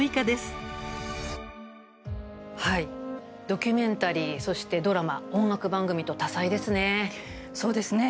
ドキュメンタリー、そしてドラマ、音楽番組と多彩ですね。